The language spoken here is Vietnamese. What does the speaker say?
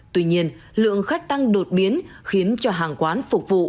tuy nhiên lượng khách tăng đột biến khiến cho hàng quán phục vụ